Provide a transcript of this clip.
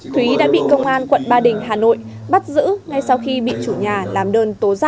thúy đã bị công an quận ba đình hà nội bắt giữ ngay sau khi bị chủ nhà làm đơn tố giác